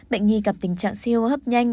bệnh nhi gặp tình trạng siêu hấp nhanh